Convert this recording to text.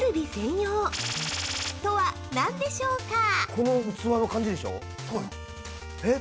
◆この器の感じでしょう。